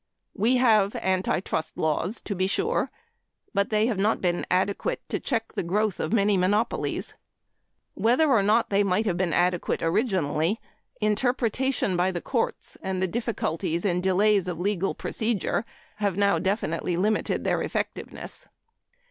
We have anti trust laws, to be sure, but they have not been adequate to check the growth of many monopolies. Whether or not they might have been adequate originally, interpretation by the courts and the difficulties and delays of legal procedure have now definitely limited their effectiveness.